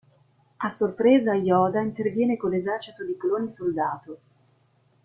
A sorpresa, Yoda interviene con l'esercito di cloni soldato.